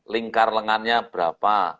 lingkar lengannya berapa